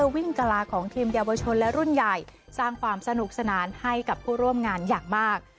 วิ่งกะลาของทีมเยาวชนและรุ่นใหญ่สร้างความสนุกสนานให้กับผู้ร่วมงานอย่างมาก